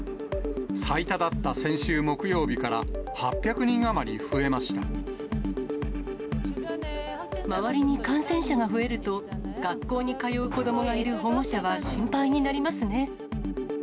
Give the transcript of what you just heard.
最多だった先週木曜日から、周りに感染者が増えると、学校に通う子どもがいる保護者は心配になりますね。